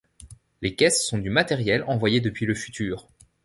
Les caisses sont du matériel envoyé depuis le futur.